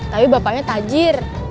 tapi bapaknya tajir